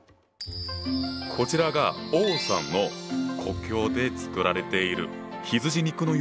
こちらが王さんの故郷で作られている羊肉の羊羹。